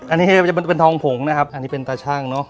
อันนี้มันจะเป็นทองผงนะครับอันนี้เป็นตาชั่งเนอะ